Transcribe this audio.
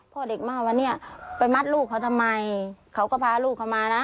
พ่อเด็กมาว่าเนี่ยไปมัดลูกเขาทำไมเขาก็พาลูกเขามานะ